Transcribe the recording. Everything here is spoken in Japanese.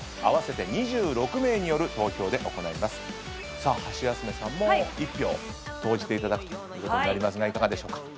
さあハシヤスメさんも１票投じていただくということになりますがいかがでしょうか。